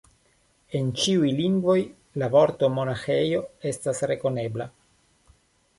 En ĉiuj lingvoj la vorto monaĥejo estas rekonebla.